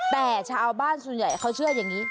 แต่ชาวบ้านส่วนใหญ่เขาเชื่ออย่างนี้